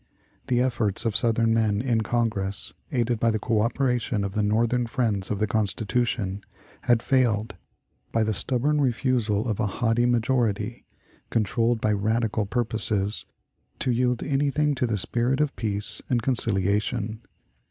The efforts of Southern men in Congress, aided by the coöperation of the Northern friends of the Constitution, had failed, by the stubborn refusal of a haughty majority, controlled by "radical" purposes, to yield anything to the spirit of peace and conciliation.